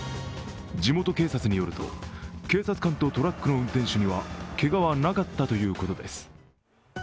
地元警察によると、警察官とトラックの運転手にはけがはなかったということです。